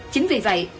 chính vì vậy